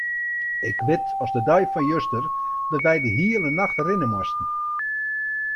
Ik wit as de dei fan juster dat wy de hiele nacht rinne moasten.